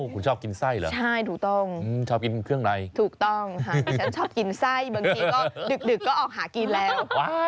คุณชอบกินไส้เหรอถูกต้องฉันชอบกินไส้เดือกก็ออกหากินแล้ว